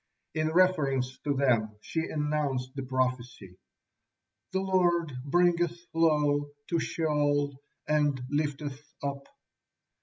In reference to them she announced the prophecy, "The Lord bringeth low, to Sheol, and lifteth up."